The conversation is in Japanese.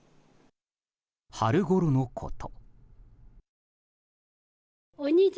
春ごろのこと。